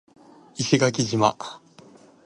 石垣島